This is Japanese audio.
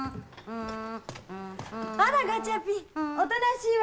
あらガチャピンおとなしいわね。